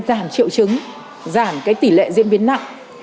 giảm triệu chứng giảm tỷ lệ diễn biến nặng